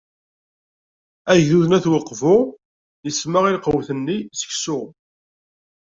Agdud n Wat Uqbu isemma i lqut-nni seksu.